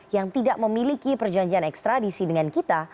yang tidak memiliki perjanjian ekstradisi dengan kita